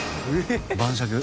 晩酌。